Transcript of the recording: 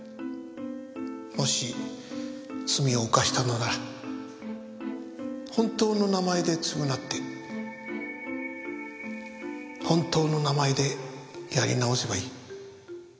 もし罪を犯したのなら本当の名前で償って本当の名前でやり直せばいい。